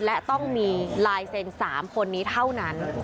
และต้องมีลายเซ็น๓คนนี้เท่านั้น